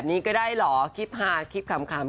นี้ก็ได้เหรอคลิปฮาคลิปขำ